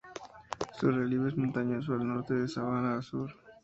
Su relieve es montañoso al norte y de sabana al sur.